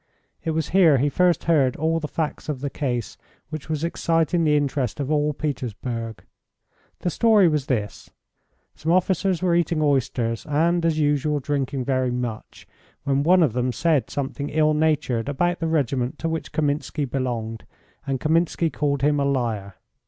It was here he first heard all the facts of the case which was exciting the interest of all Petersburg. The story was this: Some officers were eating oysters and, as usual, drinking very much, when one of them said something ill natured about the regiment to which Kaminski belonged, and Kaminski called him a liar.